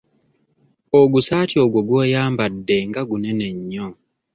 Ogusaati ogwo gw'oyambadde nga gunene nnyo?